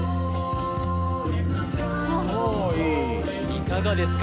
いかがですか？